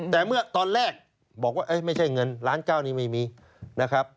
แต่เมื่อตอนแรกบอกว่าไม่ใช่เงินล้านเก้านี่ไม่มีนะครับ